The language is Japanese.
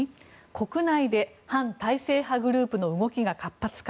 国内で反体制派グループの動きが活発化。